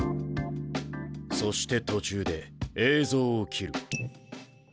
そして途中で映像を切る。